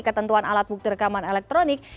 ketentuan alat bukti rekaman elektronik